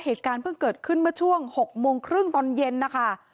เหตุการณ์เพิ่งเกิดขึ้นเมื่อช่วง๖โมงครึ่งตอนเย็นนะคะ